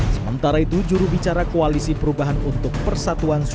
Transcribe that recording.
sementara itu jurubicara koalisi perubahan untuk persatuan